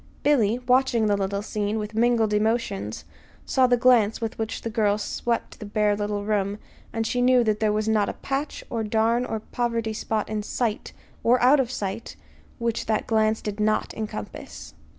Billy, watching the little scene, with mingled emotions, saw the glance with which the girl swept the bare little room; and she knew that there was not a patch or darn or poverty spot in sight, or out of sight, which that glance did not encompass.